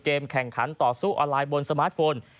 แข่งขันต่อสู้ออนไลน์บนสมาร์ทโฟน